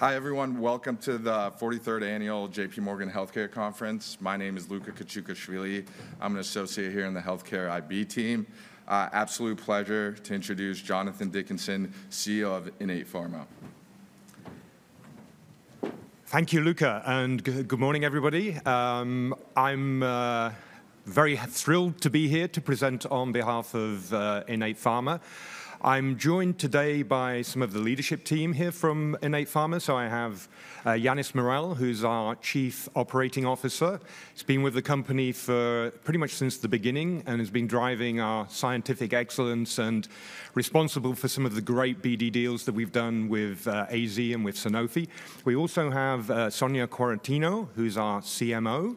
Hi, everyone. Welcome to the 43rd Annual JPMorgan Healthcare Conference. My name is Luca Caccaviello. I'm an associate here in the Healthcare IB team. Absolute pleasure to introduce Jonathan Dickinson, CEO of Innate Pharma. Thank you, Luca, and good morning, everybody. I'm very thrilled to be here to present on behalf of Innate Pharma. I'm joined today by some of the leadership team here from Innate Pharma. So I have Yannis Morel, who's our Chief Operating Officer. He's been with the company pretty much since the beginning and has been driving our scientific excellence and responsible for some of the great BD deals that we've done with AZ and with Sanofi. We also have Sonia Quaratino, who's our CMO.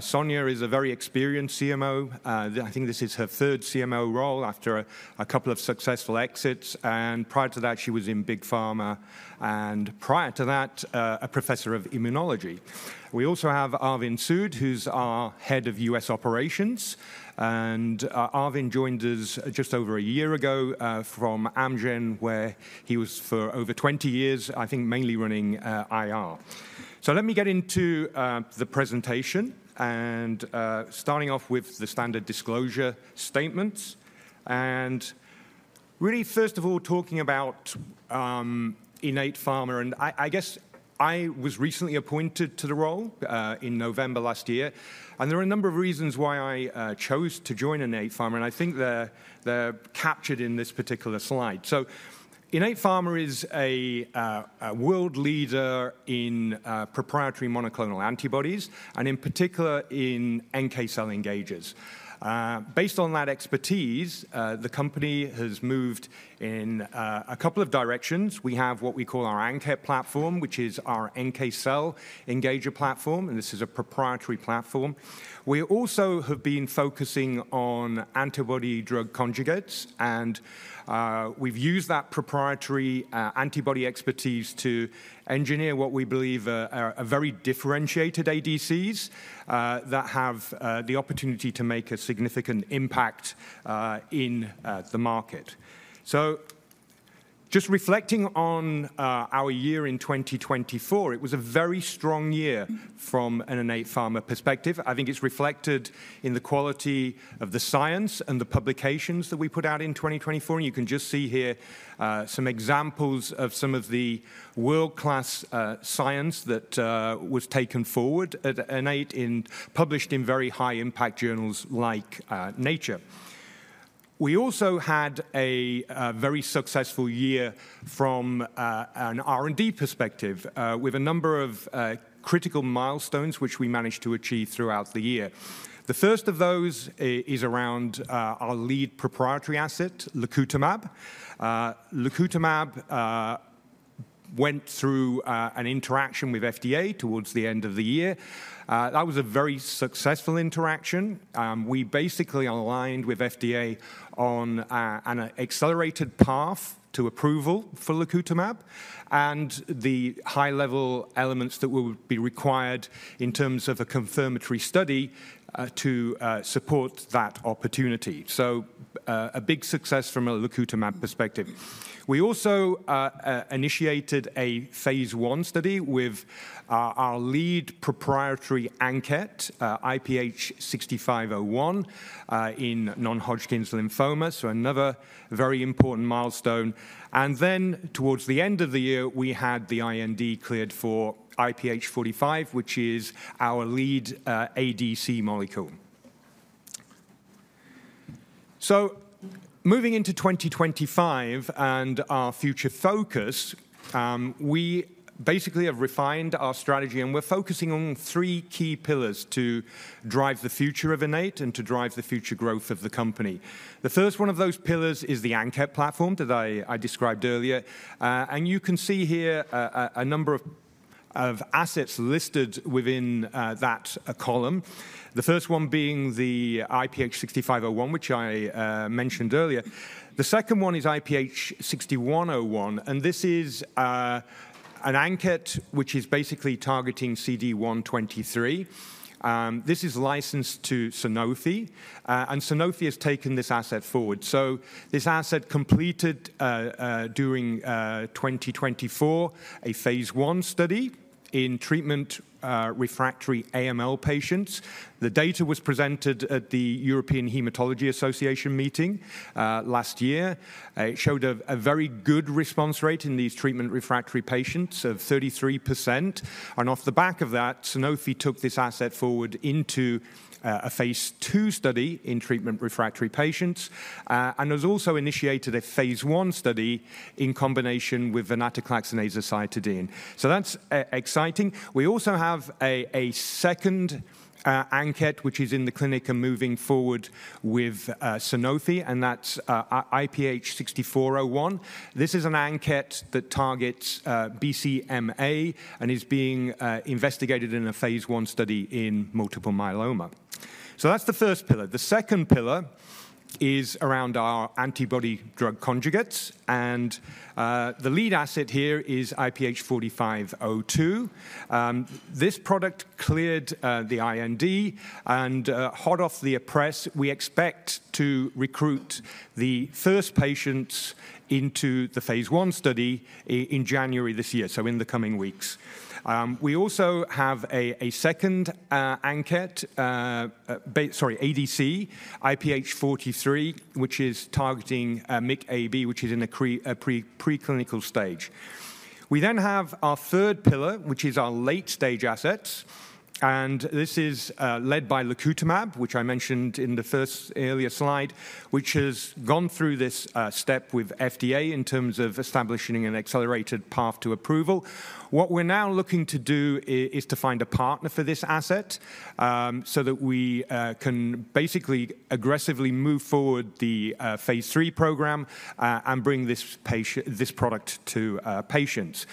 Sonia is a very experienced CMO. I think this is her third CMO role after a couple of successful exits. And prior to that, she was in Big Pharma. And prior to that, a professor of immunology. We also have Arvind Sood, who's our head of U.S. Operations. Arvind joined us just over a year ago from Amgen, where he was for over 20 years. I think mainly running IR. Let me get into the presentation, starting off with the standard disclosure statements. Really, first of all, talking about Innate Pharma. I guess I was recently appointed to the role in November last year. There are a number of reasons why I chose to join Innate Pharma. I think they're captured in this particular slide. Innate Pharma is a world leader in proprietary monoclonal antibodies, and in particular in NK cell engagers. Based on that expertise, the company has moved in a couple of directions. We have what we call our ANKET platform, which is our NK cell engager platform. This is a proprietary platform. We also have been focusing on antibody-drug conjugates. We've used that proprietary antibody expertise to engineer what we believe are very differentiated ADCs that have the opportunity to make a significant impact in the market. Just reflecting on our year in 2024, it was a very strong year from an Innate Pharma perspective. I think it's reflected in the quality of the science and the publications that we put out in 2024. You can just see here some examples of some of the world-class science that was taken forward at Innate and published in very high-impact journals like Nature. We also had a very successful year from an R&D perspective with a number of critical milestones which we managed to achieve throughout the year. The first of those is around our lead proprietary asset, lacutamab. Lacutamab went through an interaction with FDA towards the end of the year. That was a very successful interaction. We basically aligned with FDA on an accelerated path to approval for lacutamab and the high-level elements that will be required in terms of a confirmatory study to support that opportunity. So a big success from a lacutamab perspective. We also initiated a Phase 1 study with our lead proprietary ANKET, IPH6501, in Non-Hodgkin's lymphoma. So another very important milestone. And then towards the end of the year, we had the IND cleared for IPH4502, which is our lead ADC molecule. So moving into 2025 and our future focus, we basically have refined our strategy. And we're focusing on three key pillars to drive the future of Innate and to drive the future growth of the company. The first one of those pillars is the ANKET platform that I described earlier. You can see here a number of assets listed within that column, the first one being the IPH6501, which I mentioned earlier. The second one is IPH6101. And this is an ANKET which is basically targeting CD123. This is licensed to Sanofi. And Sanofi has taken this asset forward. So this asset completed during 2024 a Phase 1 study in treatment refractory AML patients. The data was presented at the European Hematology Association meeting last year. It showed a very good response rate in these treatment refractory patients of 33%. And off the back of that, Sanofi took this asset forward into a Phase 2 study in treatment refractory patients. And has also initiated a Phase 1 study in combination with venetoclax and azacitidine. So that's exciting. We also have a second ANKET which is in the clinic and moving forward with Sanofi. And that's IPH6401. This is an ANKET that targets BCMA and is being investigated in a Phase 1 study in multiple myeloma. So that's the first pillar. The second pillar is around our antibody-drug conjugates. And the lead asset here is IPH4502. This product cleared the IND and hot off the press. We expect to recruit the first patients into the Phase 1 study in January this year, so in the coming weeks. We also have a second ANKET, sorry, ADC, IPH43, which is targeting MICA/B, which is in a preclinical stage. We then have our third pillar, which is our late-stage assets. And this is led by lacutamab, which I mentioned in the first earlier slide, which has gone through this step with FDA in terms of establishing an accelerated path to approval. What we're now looking to do is to find a partner for this asset so that we can basically aggressively move forward the Phase 3 program and bring this product to patients.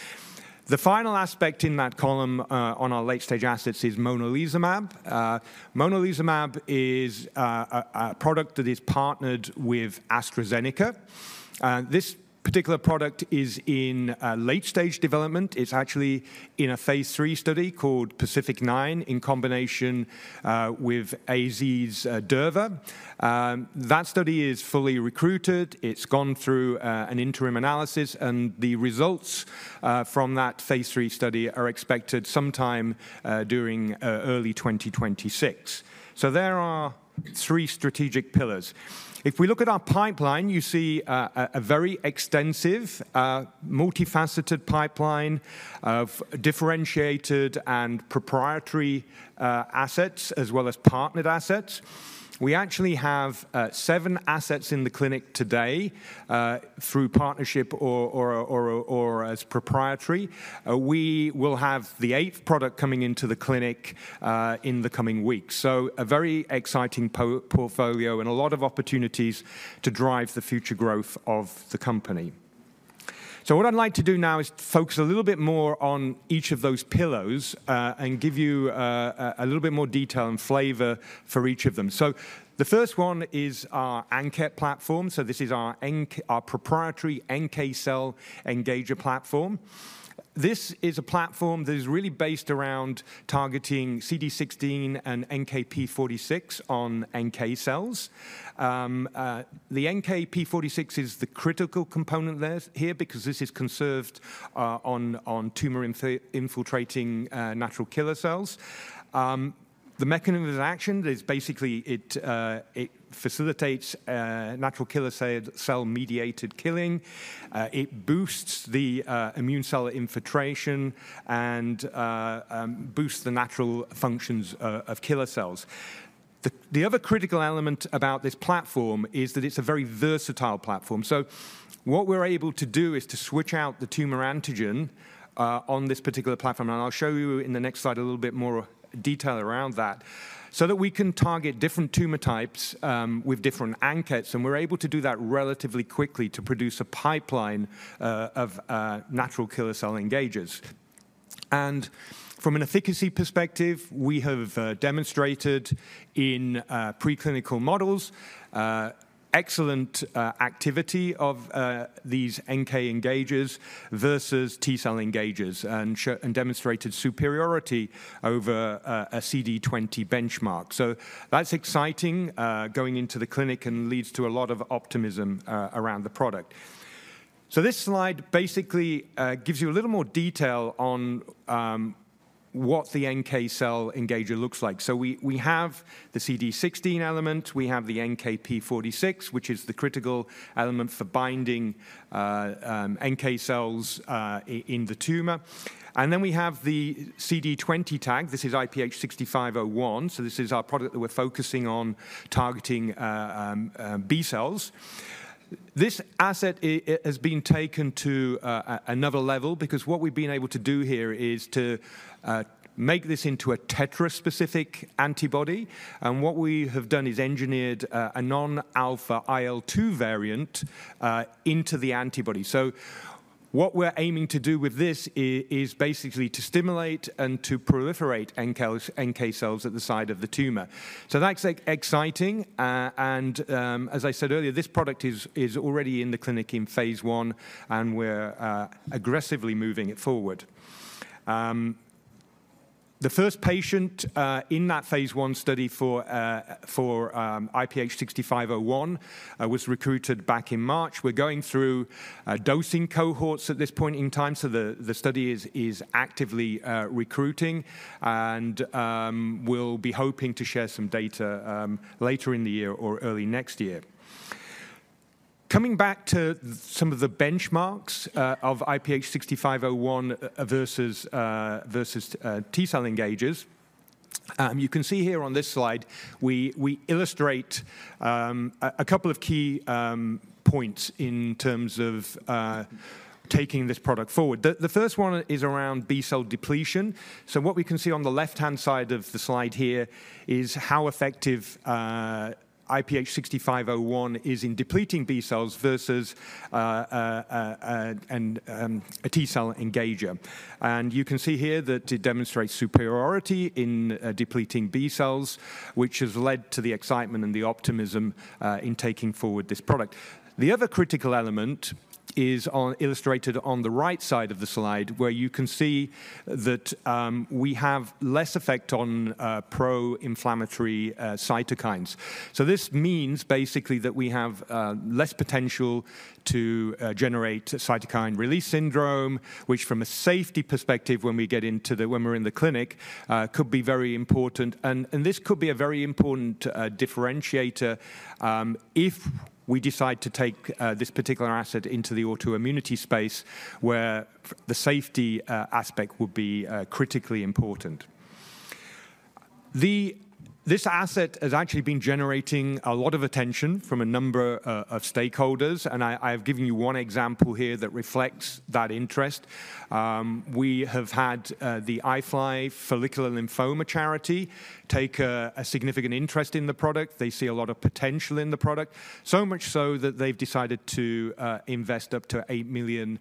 The final aspect in that column on our late-stage assets is monalizumab. Monalizumab is a product that is partnered with AstraZeneca. This particular product is in late-stage development. It's actually in a Phase 3 study called PACIFIC-9 in combination with AZ's durvalumab. That study is fully recruited. It's gone through an interim analysis, and the results from that Phase 3 study are expected sometime during early 2026, so there are three strategic pillars. If we look at our pipeline, you see a very extensive, multifaceted pipeline of differentiated and proprietary assets as well as partnered assets. We actually have seven assets in the clinic today through partnership or as proprietary. We will have the eighth product coming into the clinic in the coming weeks. So a very exciting portfolio and a lot of opportunities to drive the future growth of the company. So what I'd like to do now is focus a little bit more on each of those pillars and give you a little bit more detail and flavor for each of them. So the first one is our ANKET platform. So this is our proprietary NK cell engager platform. This is a platform that is really based around targeting CD16 and NKp46 on NK cells. The NKp46 is the critical component here because this is conserved on tumor infiltrating natural killer cells. The mechanism of action is basically it facilitates natural killer cell mediated killing. It boosts the immune cell infiltration and boosts the natural functions of killer cells. The other critical element about this platform is that it's a very versatile platform. So what we're able to do is to switch out the tumor antigen on this particular platform. And I'll show you in the next slide a little bit more detail around that so that we can target different tumor types with different ANKETs. And we're able to do that relatively quickly to produce a pipeline of natural killer cell engagers. And from an efficacy perspective, we have demonstrated in preclinical models excellent activity of these NK engagers versus T cell engagers and demonstrated superiority over a CD20 benchmark. So that's exciting going into the clinic and leads to a lot of optimism around the product. So this slide basically gives you a little more detail on what the NK cell engager looks like. So we have the CD16 element. We have the NKp46, which is the critical element for binding NK cells in the tumor. And then we have the CD20 tag. This is IPH6501. So this is our product that we're focusing on targeting B cells. This asset has been taken to another level because what we've been able to do here is to make this into a tetra-specific antibody. And what we have done is engineered a non-alpha IL-2 variant into the antibody. So what we're aiming to do with this is basically to stimulate and to proliferate NK cells at the site of the tumor. So that's exciting. And as I said earlier, this product is already in the clinic in Phase 1. And we're aggressively moving it forward. The first patient in that Phase 1 study for IPH6501 was recruited back in March. We're going through dosing cohorts at this point in time. The study is actively recruiting. We'll be hoping to share some data later in the year or early next year. Coming back to some of the benchmarks of IPH6501 versus T-cell engagers, you can see here on this slide, we illustrate a couple of key points in terms of taking this product forward. The first one is around B-cell depletion. What we can see on the left-hand side of the slide here is how effective IPH6501 is in depleting B cells versus a T-cell engager. You can see here that it demonstrates superiority in depleting B cells, which has led to the excitement and the optimism in taking forward this product. The other critical element is illustrated on the right side of the slide, where you can see that we have less effect on pro-inflammatory cytokines. This means basically that we have less potential to generate cytokine release syndrome, which from a safety perspective, when we're in the clinic, could be very important. And this could be a very important differentiator if we decide to take this particular asset into the autoimmunity space, where the safety aspect would be critically important. This asset has actually been generating a lot of attention from a number of stakeholders. And I have given you one example here that reflects that interest. We have had the IFLI Follicular Lymphoma Charity take a significant interest in the product. They see a lot of potential in the product, so much so that they've decided to invest up to $8 million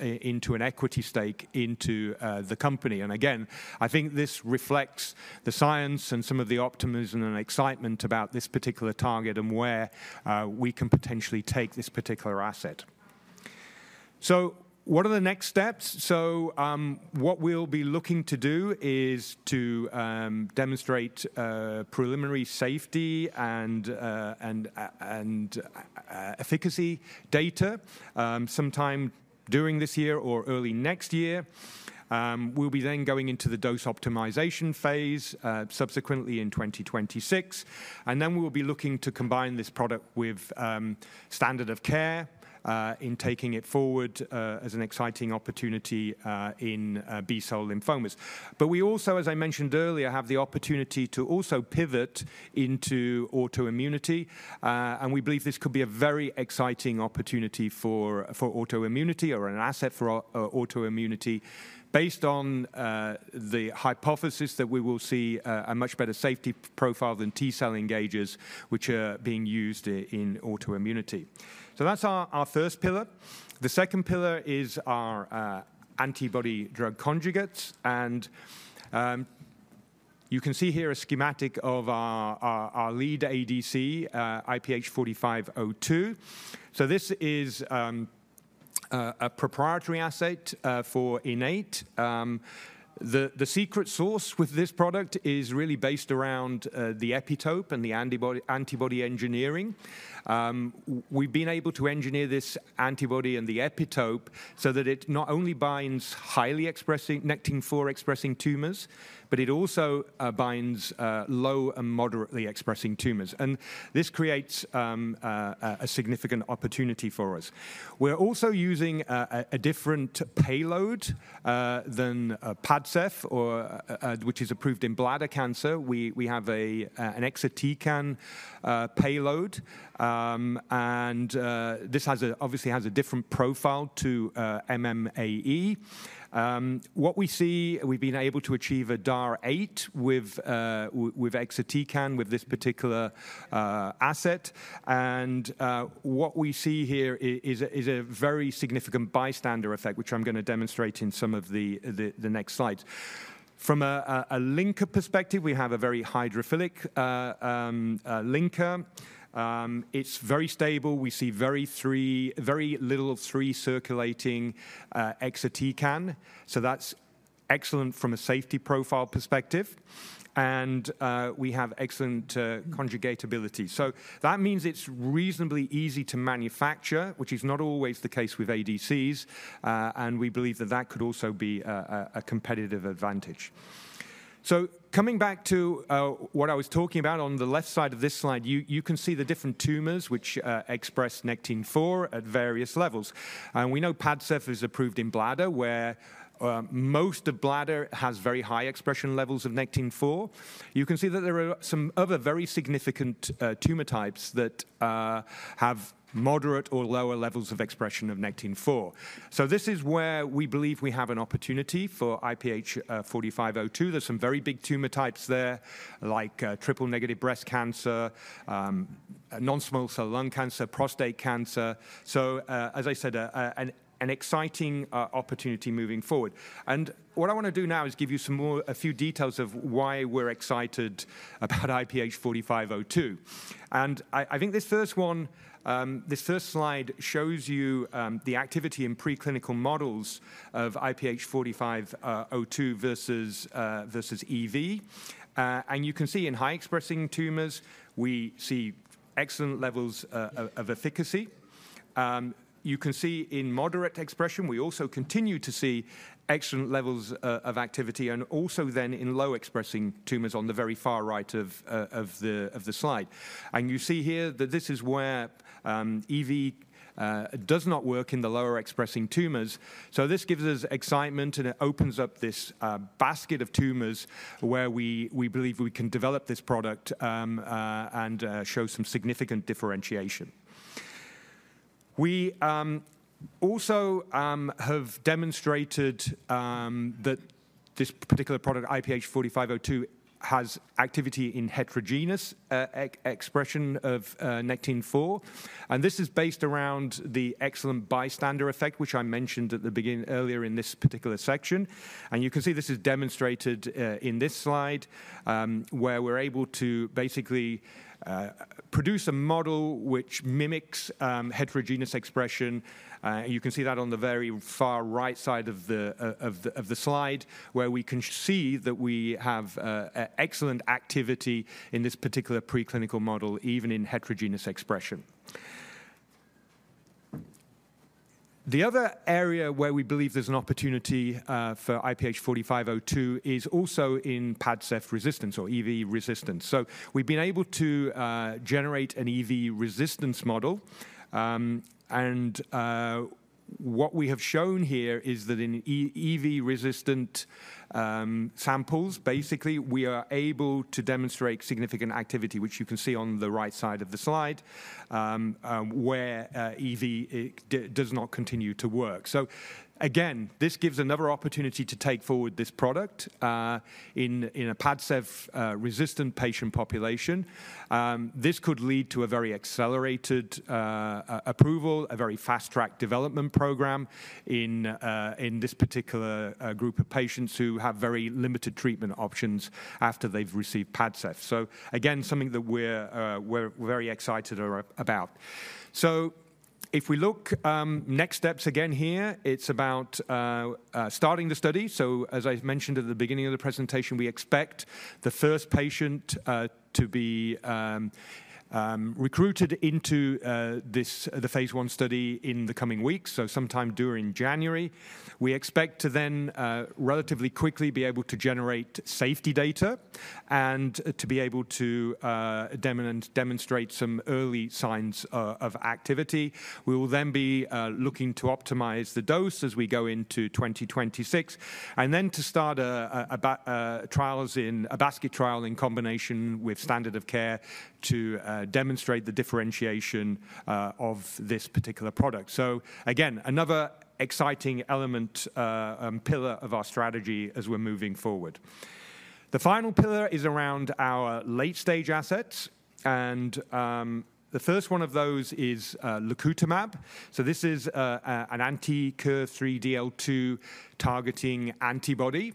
into an equity stake into the company. And again, this reflects the science and some of the optimism and excitement about this particular target and where we can potentially take this particular asset. So what are the next steps? So what we'll be looking to do is to demonstrate preliminary safety and efficacy data sometime during this year or early next year. We'll be then going into the dose optimization Phase subsequently in 2026. And then we will be looking to combine this product with standard of care in taking it forward as an exciting opportunity in B-cell lymphomas. But we also, as I mentioned earlier, have the opportunity to also pivot into autoimmunity. And we believe this could be a very exciting opportunity for autoimmunity or an asset for autoimmunity based on the hypothesis that we will see a much better safety profile than T-cell engagers, which are being used in autoimmunity. So that's our first pillar. The second pillar is our antibody-drug conjugates. And you can see here a schematic of our lead ADC, IPH4502. So this is a proprietary asset for Innate. The secret sauce with this product is really based around the epitope and the antibody engineering. We've been able to engineer this antibody and the epitope so that it not only binds highly expressing Nectin-4 expressing tumors, but it also binds low and moderately expressing tumors. And this creates a significant opportunity for us. We're also using a different payload than Padcev, which is approved in bladder cancer. We have an exatecan payload. And this obviously has a different profile to MMAE. What we see, we've been able to achieve a DAR8 with exatecan with this particular asset. What we see here is a very significant bystander effect, which I'm going to demonstrate in some of the next slides. From a linker perspective, we have a very hydrophilic linker. It's very stable. We see very little of free-circulating exatecan. So that's excellent from a safety profile perspective. And we have excellent conjugate ability. So that means it's reasonably easy to manufacture, which is not always the case with ADCs. And we believe that that could also be a competitive advantage. So coming back to what I was talking about on the left side of this slide, you can see the different tumors which express Nectin-4 at various levels. And we know Padcev is approved in bladder, where most of bladder has very high expression levels of Nectin-4. You can see that there are some other very significant tumor types that have moderate or lower levels of expression of Nectin-4. So this is where we believe we have an opportunity for IPH4502. There's some very big tumor types there, like triple-negative breast cancer, non-small cell lung cancer, prostate cancer. So as I said, an exciting opportunity moving forward. And what I want to do now is give you a few details of why we're excited about IPH4502. This first slide shows you the activity in preclinical models of IPH4502 versus EV. And you can see in high-expressing tumors, we see excellent levels of efficacy. You can see in moderate expression, we also continue to see excellent levels of activity, and also then in low-expressing tumors on the very far right of the slide. You see here that this is where EV does not work in the lower-expressing tumors. So this gives us excitement and it opens up this basket of tumors where we believe we can develop this product and show some significant differentiation. We also have demonstrated that this particular product, IPH4502, has activity in heterogeneous expression of Nectin-4. This is based around the excellent bystander effect, which I mentioned earlier in this particular section. You can see this is demonstrated in this slide, where we're able to basically produce a model which mimics heterogeneous expression. You can see that on the very far right side of the slide, where we can see that we have excellent activity in this particular preclinical model, even in heterogeneous expression. The other area where we believe there's an opportunity for IPH4502 is also in Padcev resistance or EV resistance. So we've been able to generate an EV resistance model. And what we have shown here is that in EV-resistant samples, basically, we are able to demonstrate significant activity, which you can see on the right side of the slide, where EV does not continue to work. So again, this gives another opportunity to take forward this product in a Padcev-resistant patient population. This could lead to a very accelerated approval, a very fast-tracked development program in this particular group of patients who have very limited treatment options after they've received Padcev. So again, something that we're very excited about. So if we look next steps again here, it's about starting the study. So as I mentioned at the beginning of the presentation, we expect the first patient to be recruited into the Phase 1 study in the coming weeks, so sometime during January. We expect to then relatively quickly be able to generate safety data and to be able to demonstrate some early signs of activity. We will then be looking to optimize the dose as we go into 2026, and then to start trials in a basket trial in combination with standard of care to demonstrate the differentiation of this particular product. Again, another exciting element, pillar of our strategy as we're moving forward. The final pillar is around our late-stage assets, and the first one of those is lacutamab. This is an anti-KIR3DL2 targeting antibody,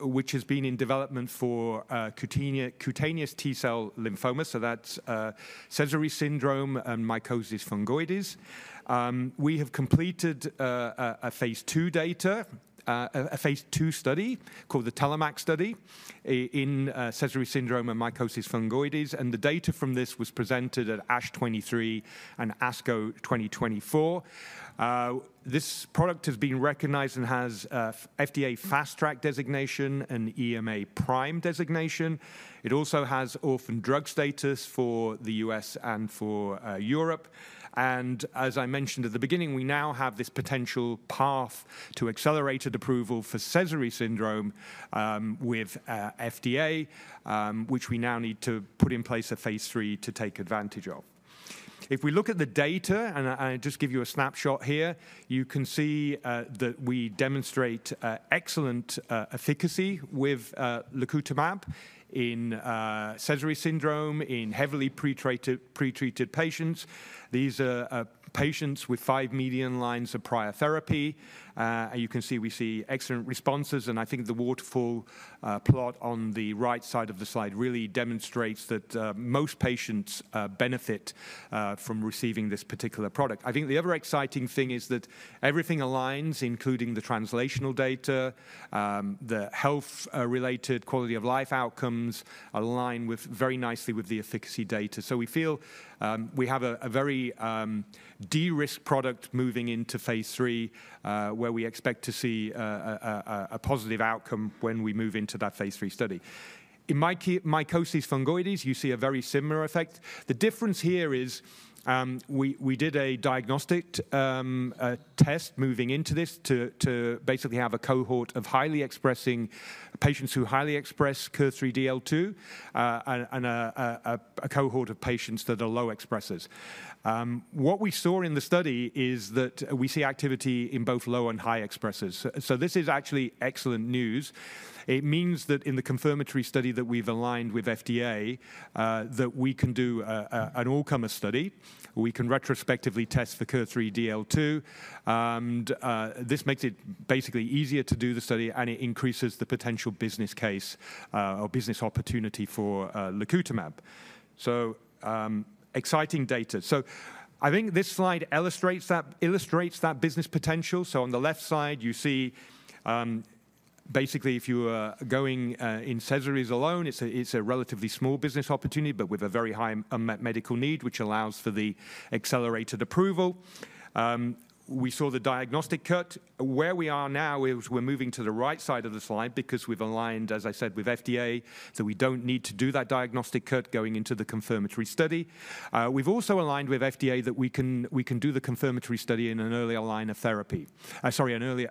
which has been in development for cutaneous T-cell lymphoma, that's Sézary syndrome and mycosis fungoides. We have completed a Phase 2 data, a Phase 2 study called the TELLOMAK study in Sézary syndrome and mycosis fungoides. The data from this was presented at ASH 2023 and ASCO 2024. This product has been recognized and has FDA fast-track designation and EMA PRIME designation. It also has orphan drug status for the U.S. and for Europe. And as I mentioned at the beginning, we now have this potential path to accelerated approval for Sézary syndrome with FDA, which we now need to put in place a Phase 3 to take advantage of. If we look at the data, and I'll just give you a snapshot here, you can see that we demonstrate excellent efficacy with lacutamab in Sézary syndrome in heavily pretreated patients. These are patients with five median lines of prior therapy. And you can see we see excellent responses. And I think the waterfall plot on the right side of the slide really demonstrates that most patients benefit from receiving this particular product. I think the other exciting thing is that everything aligns, including the translational data, the health-related quality of life outcomes align very nicely with the efficacy data. So we feel we have a very de-risked product moving into Phase 3, where we expect to see a positive outcome when we move into that Phase 3 study. In mycosis fungoides, you see a very similar effect. The difference here is we did a diagnostic test moving into this to basically have a cohort of highly expressing patients who highly express KIR3DL2 and a cohort of patients that are low expressers. What we saw in the study is that we see activity in both low and high expressers. So this is actually excellent news. It means that in the confirmatory study that we've aligned with FDA, that we can do an all-comer study. We can retrospectively test for KIR3DL2. This makes it basically easier to do the study, and it increases the potential business case or business opportunity for lacutamab. Exciting data. I think this slide illustrates that business potential. On the left side, you see basically if you are going in Sézary's alone, it's a relatively small business opportunity, but with a very high medical need, which allows for the accelerated approval. We saw the diagnostic cut. Where we are now is we're moving to the right side of the slide because we've aligned, as I said, with FDA, so we don't need to do that diagnostic cut going into the confirmatory study. We've also aligned with FDA that we can do the confirmatory study in an earlier line of therapy. Sorry, an earlier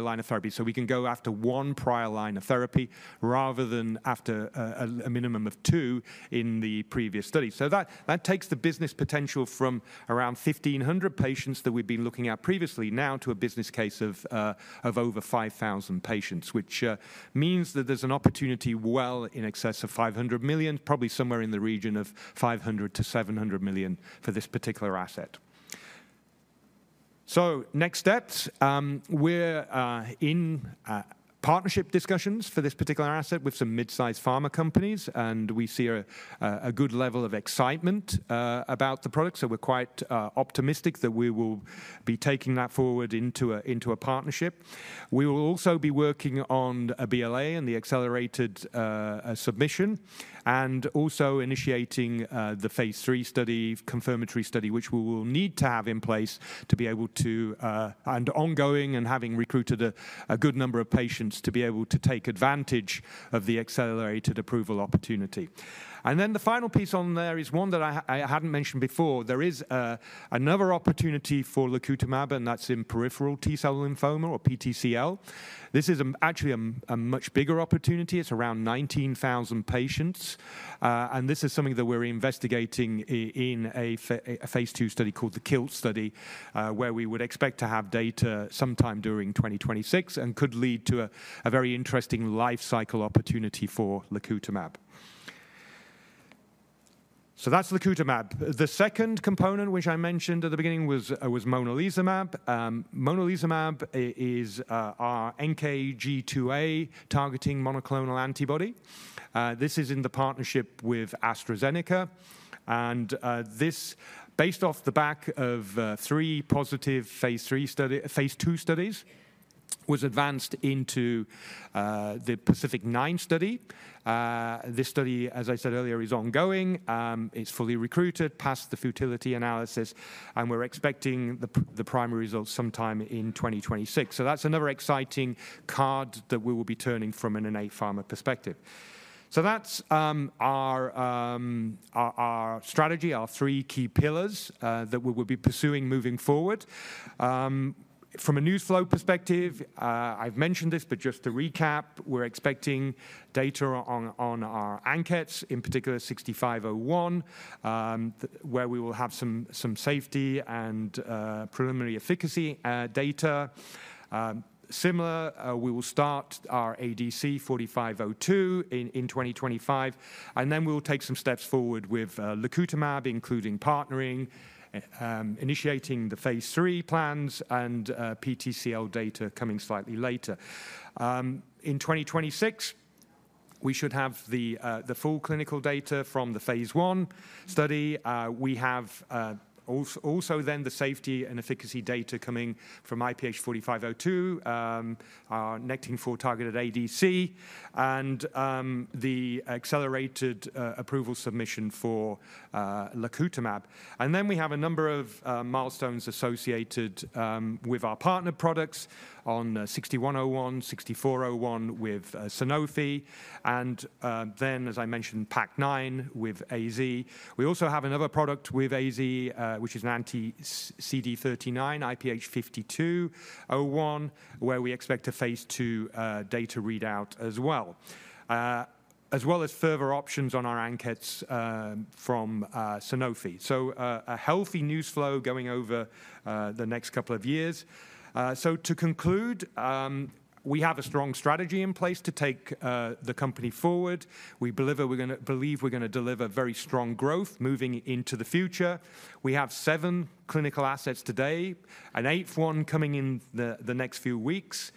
line of therapy. We can go after one prior line of therapy rather than after a minimum of two in the previous study. That takes the business potential from around 1,500 patients that we've been looking at previously now to a business case of over 5,000 patients, which means that there's an opportunity well in excess of $500 million, probably somewhere in the region of $500-700 million for this particular asset. Next steps, we're in partnership discussions for this particular asset with some mid-sized pharma companies. We see a good level of excitement about the product. We're quite optimistic that we will be taking that forward into a partnership. We will also be working on a BLA and the accelerated submission, and also initiating the Phase 3 study, confirmatory study, which we will need to have in place to be able to and ongoing and having recruited a good number of patients to be able to take advantage of the accelerated approval opportunity, and then the final piece on there is one that I hadn't mentioned before. There is another opportunity for lacutamab, and that's in peripheral T-cell lymphoma or PTCL. This is actually a much bigger opportunity. It's around 19,000 patients, and this is something that we're investigating in a Phase 2 study called the KILT study, where we would expect to have data sometime during 2026 and could lead to a very interesting life cycle opportunity for lacutamab. So that's lacutamab. The second component, which I mentioned at the beginning, was Monalizumab. Monalizumab is our NKG2A targeting monoclonal antibody in the partnership with AstraZeneca, and this, based off the back of three positive Phase 2 studies, was advanced into the PACIFIC-9 study. This study, as I said earlier, is ongoing. It's fully recruited, passed the futility analysis, and we're expecting the primary results sometime in 2026, so that's another exciting card that we will be turning from an Innate Pharma perspective, so that's our strategy, our three key pillars that we will be pursuing moving forward. From a news flow perspective, I've mentioned this, but just to recap, we're expecting data on our ANKETs, in particular 6501, where we will have some safety and preliminary efficacy data. Similar, we will start our ADC 4502 in 2025, and then we'll take some steps forward with lacutamab, including partnering, initiating the Phase 3 plans, and PTCL data coming slightly later. In 2026, we should have the full clinical data from the Phase 1 study. We have also then the safety and efficacy data coming from IPH4502, our Nectin-4 targeted ADC, and the accelerated approval submission for lacutamab. And then we have a number of milestones associated with our partner products on 6101, 6401 with Sanofi, and then, as I mentioned, PACIFIC-9 with AZ. We also have another product with AZ, which is an anti-CD39, IPH5201, where we expect a Phase 2 data readout as well, as well as further options on our ANKETs from Sanofi. So a healthy news flow going over the next couple of years. So to conclude, we have a strong strategy in place to take the company forward. We believe we're going to deliver very strong growth moving into the future. We have seven clinical assets today, an eighth one coming in the next few weeks.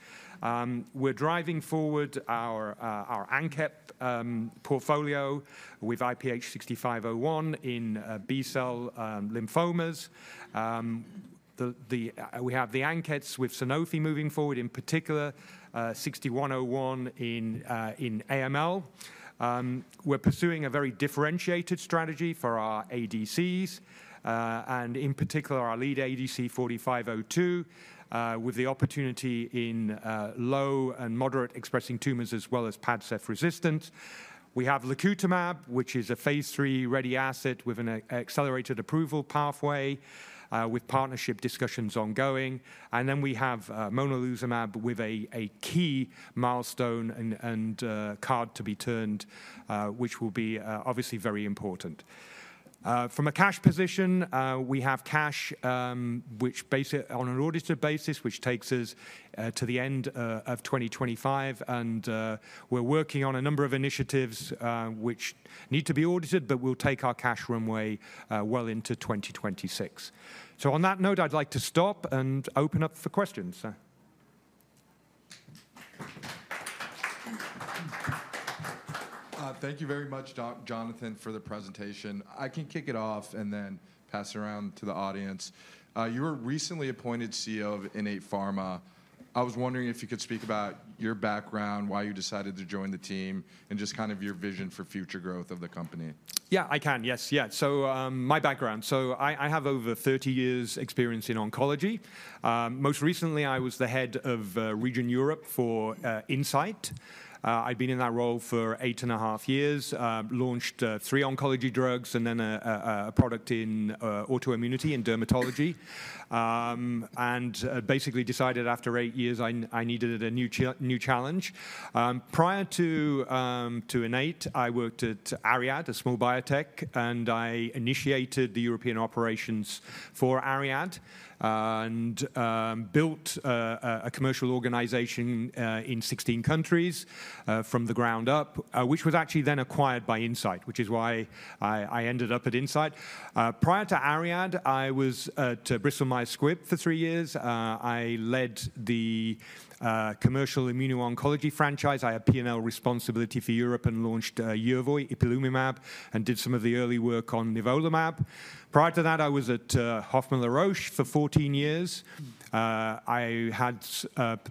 We're driving forward our ANKET portfolio with IPH6501 in B cell lymphomas. We have the ANKETs with Sanofi moving forward, in particular IPH6101 in AML. We're pursuing a very differentiated strategy for our ADCs, and in particular, our lead ADC IPH4502 with the opportunity in low and moderate expressing tumors as well as Padcev resistance. We have lacutamab, which is a Phase 3 ready asset with an accelerated approval pathway with partnership discussions ongoing. And then we have monalizumab with a key milestone and card to be turned, which will be obviously very important. From a cash position, we have cash on an audited basis, which takes us to the end of 2025. We're working on a number of initiatives which need to be audited, but we'll take our cash runway well into 2026. On that note, I'd like to stop and open up for questions. Thank you very much, Jonathan, for the presentation. I can kick it off and then pass it around to the audience. You were recently appointed CEO of Innate Pharma. I was wondering if you could speak about your background, why you decided to join the team, and just kind of your vision for future growth of the company. Yeah, I can. Yes. Yeah. My background, so I have over 30 years' experience in oncology. Most recently, I was the head of Region Europe for Incyte. I've been in that role for eight and a half years, launched three oncology drugs, and then a product in autoimmunity and dermatology, and basically decided after eight years I needed a new challenge. Prior to Innate, I worked at ARIAD, a small biotech, and I initiated the European operations for ARIAD and built a commercial organization in 16 countries from the ground up, which was actually then acquired by Incyte, which is why I ended up at Incyte. Prior to ARIAD, I was at Bristol Myers Squibb for three years. I led the commercial immuno-oncology franchise. I had P&L responsibility for Europe and launched Yervoy, ipilimumab, and did some of the early work on nivolumab. Prior to that, I was at Hoffmann-La Roche for 14 years. I had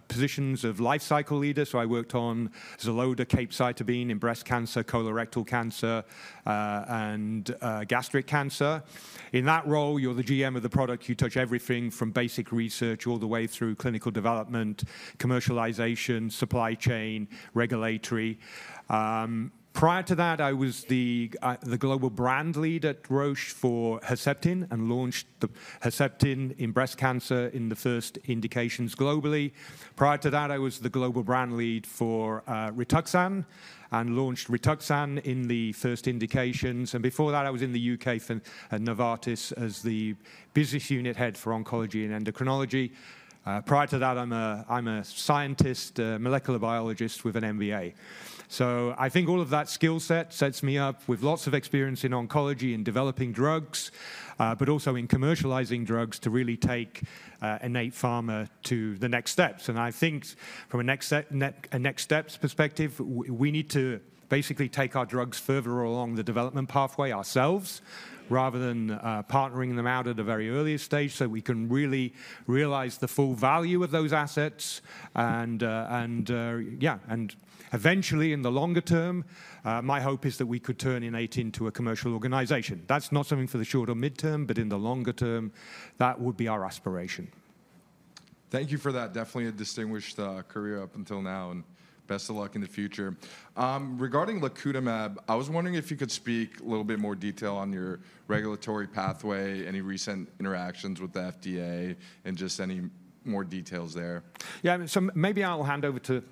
positions of life cycle leader, so I worked on Xeloda, capecitabine in breast cancer, colorectal cancer, and gastric cancer.In that role, you're the GM of the product. You touch everything from basic research all the way through clinical development, commercialization, supply chain, regulatory. Prior to that, I was the global brand lead at Roche for Herceptin and launched the Herceptin in breast cancer in the first indications globally. Prior to that, I was the global brand lead for Rituxan and launched Rituxan in the first indications, and before that, I was in the UK for Novartis as the business unit head for oncology and endocrinology. Prior to that, I'm a scientist, molecular biologist with an MBA, so I think all of that skill set sets me up with lots of experience in oncology and developing drugs, but also in commercializing drugs to really take Innate Pharma to the next steps. I think from a next steps perspective, we need to basically take our drugs further along the development pathway ourselves rather than partnering them out at a very early stage so we can really realize the full value of those assets. Yeah, and eventually in the longer term, my hope is that we could turn Innate into a commercial organization. That's not something for the short or midterm, but in the longer term, that would be our aspiration. Thank you for that. Definitely a distinguished career up until now, and best of luck in the future. Regarding lacutamab, I was wondering if you could speak a little bit more detail on your regulatory pathway, any recent interactions with the FDA, and just any more details there. Yeah, so maybe I'll hand over to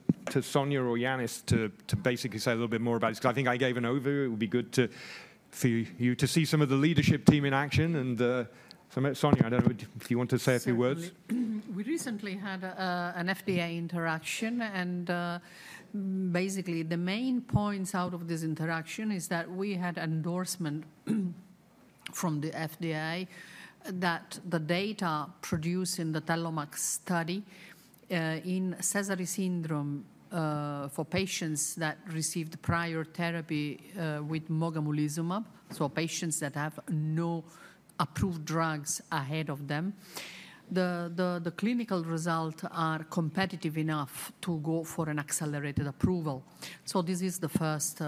Sonia or Yannis to basically say a little bit more about it because I think I gave an overview. It would be good for you to see some of the leadership team in action. And Sonia, I don't know if you want to say a few words. We recently had an FDA interaction, and basically the main points out of this interaction is that we had endorsement from the FDA that the data produced in the TELLOMAK study in Sézary syndrome for patients that received prior therapy with mogamulizumab, so patients that have no approved drugs ahead of them. The clinical results are competitive enough to go for an accelerated approval. So this is the first,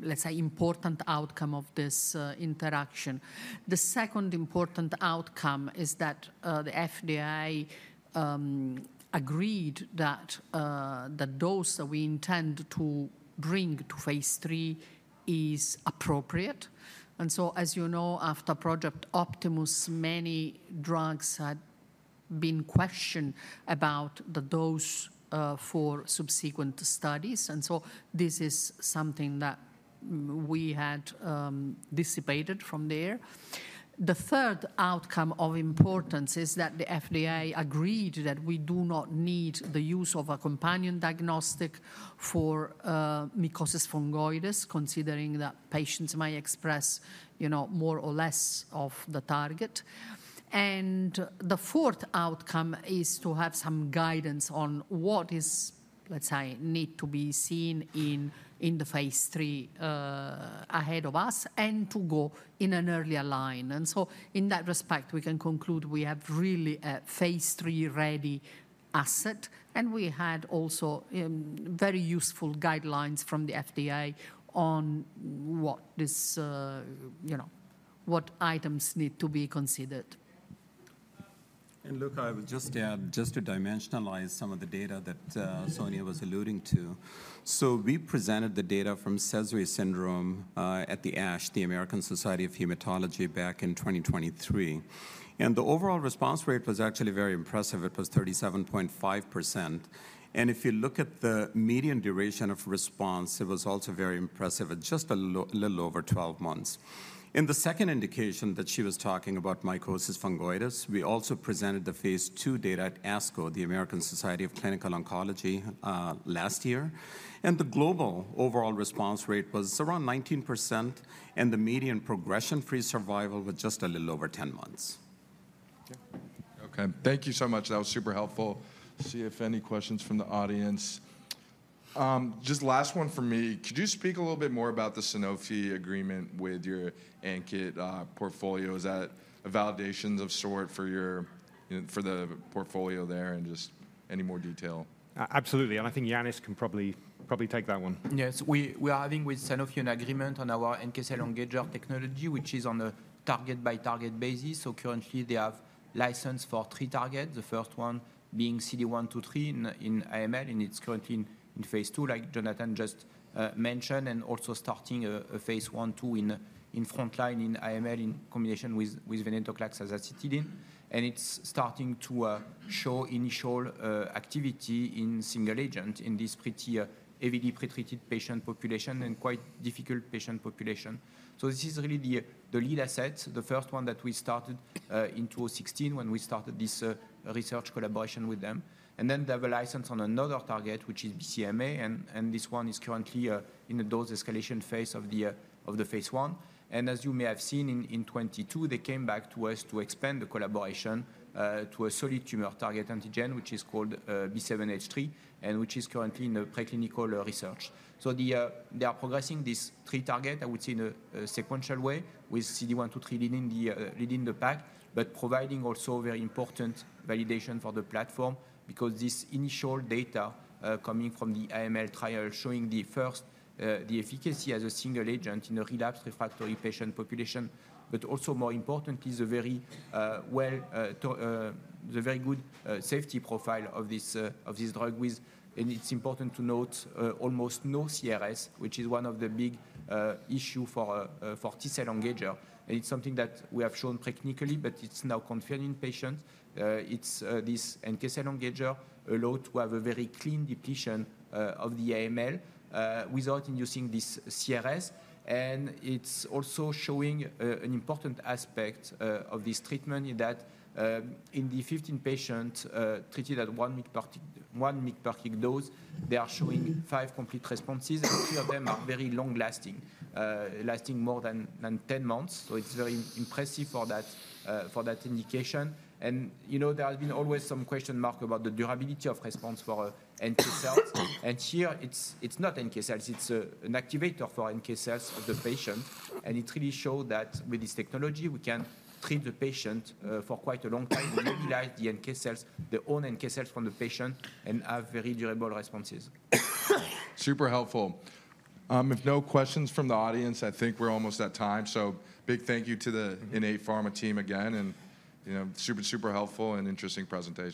let's say, important outcome of this interaction. The second important outcome is that the FDA agreed that the dose that we intend to bring to Phase 3 is appropriate. And so, as you know, after Project Optimus, many drugs had been questioned about the dose for subsequent studies. And so this is something that we had dissipated from there. The third outcome of importance is that the FDA agreed that we do not need the use of a companion diagnostic for mycosis fungoides, considering that patients may express more or less of the target. And the fourth outcome is to have some guidance on what is, let's say, need to be seen in the Phase 3 ahead of us and to go in an earlier line. And so in that respect, we can conclude we have really a Phase 3 ready asset, and we had also very useful guidelines from the FDA on what items need to be considered. And look, I would just add just to dimensionalize some of the data that Sonia was alluding to. So we presented the data from Sézary syndrome at the ASH, the American Society of Hematology, back in 2023. And the overall response rate was actually very impressive. It was 37.5%. And if you look at the median duration of response, it was also very impressive at just a little over 12 months. In the second indication that she was talking about, mycosis fungoides, we also presented the Phase 2 data at ASCO, the American Society of Clinical Oncology, last year. The global overall response rate was around 19%, and the median progression-free survival was just a little over 10 months. Okay. Thank you so much. That was super helpful. See if any questions from the audience. Just last one for me. Could you speak a little bit more about the Sanofi agreement with your ANKET portfolio? Is that a validation of sort for the portfolio there and just any more detail? Absolutely. I think Yannis can probably take that one. Yes. We are having with Sanofi an agreement on our NK cell engager technology, which is on a target-by-target basis. So currently, they have licensed for three targets, the first one being CD123 in AML, and it's currently in Phase 2, like Jonathan just mentioned, and also starting a Phase 1/2 in frontline in AML in combination with venetoclax and azacitidine. It's starting to show initial activity in single agent in this pretty heavily pretreated patient population and quite difficult patient population. This is really the lead asset, the first one that we started in 2016 when we started this research collaboration with them. Then they have a license on another target, which is BCMA, and this one is currently in the dose escalation Phase of the Phase 1. As you may have seen in 2022, they came back to us to expand the collaboration to a solid tumor target antigen, which is called B7-H3, and which is currently in the preclinical research. They are progressing this three target, I would say, in a sequential way with CD123 leading the pack, but providing also very important validation for the platform because this initial data coming from the AML trial showing the first, the efficacy as a single agent in the relapsed refractory patient population, but also more importantly, the very good safety profile of this drug. And it's important to note almost no CRS, which is one of the big issues for T-cell engager. And it's something that we have shown preclinically, but it's now confirmed in patients. It's this NK cell engager allowed to have a very clean depletion of the AML without inducing this CRS. It's also showing an important aspect of this treatment in that in the 15 patients treated at one mg/kg dose, they are showing five complete responses, and three of them are very long-lasting, lasting more than 10 months. It's very impressive for that indication. There has been always some question mark about the durability of response for NK cells. Here, it's not NK cells. It's an activator for NK cells of the patient. It really showed that with this technology, we can treat the patient for quite a long time, utilize the NK cells, the own NK cells from the patient, and have very durable responses. Super helpful. If no questions from the audience, I think we're almost at time. Big thank you to the Innate Pharma team again, and super, super helpful and interesting presentation.